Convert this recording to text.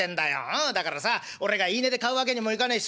うんだからさ俺が言い値で買うわけにもいかねえし。